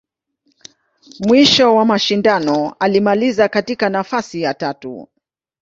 Mwisho wa mashindano, alimaliza katika nafasi ya tatu.